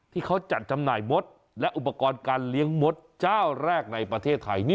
ที่เขาจัดจำหน่ายมดและอุปกรณ์การเลี้ยงมดเจ้าแรกในประเทศไทย